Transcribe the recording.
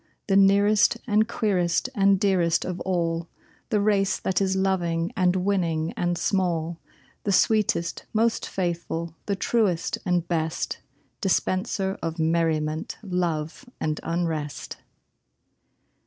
The nearest and queerest and dearest of all The race that is loving and winning and small; The sweetest, most faithful, the truest and best Dispenser of merriment, love and unrest!